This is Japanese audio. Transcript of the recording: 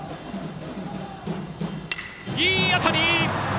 いい当たり！